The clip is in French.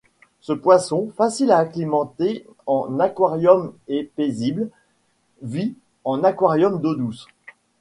Ce poisson, facile à acclimater en aquarium et paisible, vit en aquarium d'eau douce.